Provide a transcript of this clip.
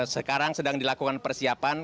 sekarang sedang dilakukan persiapan